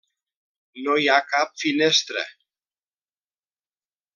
No hi ha cap finestra.